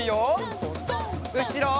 うしろ。